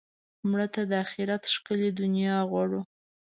مړه ته د آخرت ښکلې دنیا غواړو